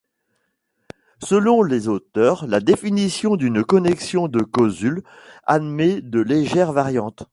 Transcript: Selon les auteurs, la définition d'une connexion de Koszul admet de légères variantes.